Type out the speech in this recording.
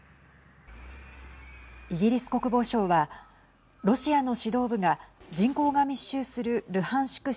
イギリス国防省はロシアの指導部が人口が密集するルハンシク